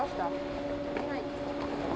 はい。